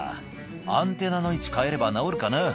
「アンテナの位置変えれば直るかな」